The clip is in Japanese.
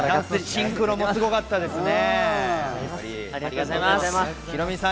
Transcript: シンクロもすごかったですね！